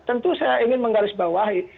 tentu saya ingin menggarisbawahi